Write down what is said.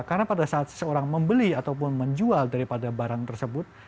karena pada saat seseorang membeli atau menjual daripada barang tersebut